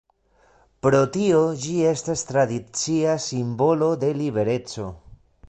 Pro tio, ĝi estas tradicia simbolo de libereco.